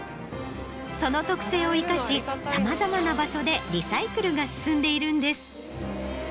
その特性を生かしさまざまな場所でリサイクルが進んでいるんです。